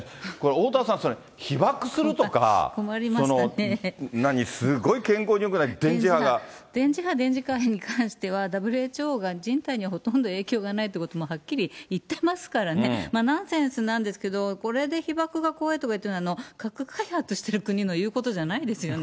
おおたわさん、被ばくするとか、すごい健康によくない電磁波電磁波に関しては、ＷＨＯが人体にはほとんど影響がないということ、もうはっきり言ってますからね、ナンセンスなんですけど、これで被ばくが怖いとかいうのは、核開発してる国の言うことじゃないですよね。